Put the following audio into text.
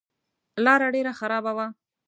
لاره ډېره خرابه وه.